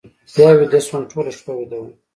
بیا ویده شوم، ټوله شپه ویده وم.